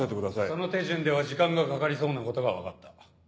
その手順では時間がかかりそうな事がわかった。